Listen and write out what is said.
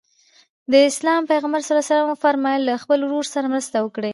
د اسلام پیغمبر ص وفرمایل له خپل ورور سره مرسته وکړئ.